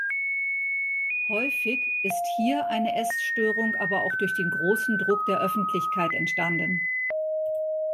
Häufig ist hier eine Essstörung aber auch durch den großen Druck der Öffentlichkeit entstanden.